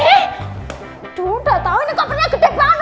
aduh udah tau ini kopernya gede banget